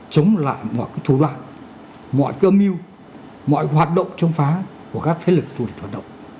chống lại mọi cái thủ đoạn mọi cái âm mưu mọi hoạt động chống phá của các thế lực thủ địch hoạt động